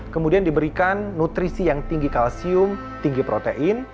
kemudian diberikan nutrisi yang tinggi kalsium tinggi protein